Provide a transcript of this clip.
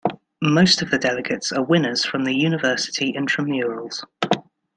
Most of the delegates are winners from the university intramurals.